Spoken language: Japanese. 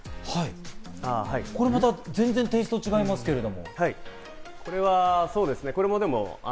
これまた全然テイストが違いますけど。